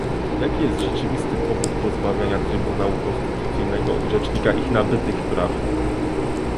Jaki jest rzeczywisty powód pozbawiania trybunału konstytucyjnego i rzecznika ich nabytych praw?